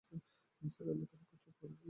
নিসার আলি খানিকক্ষণ চুপ করে রইলেন।